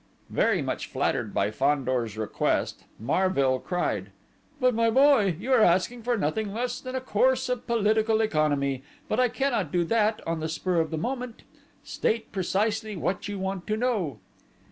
Very much flattered by Fandor's request, Marville cried: "But, my boy, you are asking for nothing less than a course of political economy but I cannot do that on the spur of the moment!... State precisely what you want to know."